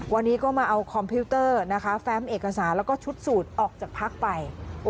วันนี้ก็มาเอาคอมพิวเตอร์นะคะแฟมเอกสารแล้วก็ชุดสูตรออกจากพักไป